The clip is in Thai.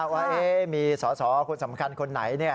ว่ามีสอสอคนสำคัญคนไหน